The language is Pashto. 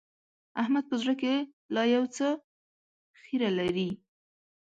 احمد په زړه کې لا يو څه خيره لري.